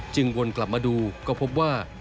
วนกลับมาดูก็พบว่า